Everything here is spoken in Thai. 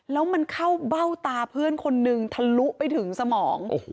แล้วมันเข้าเบ้าตาเพื่อนคนนึงทะลุไปถึงสมอง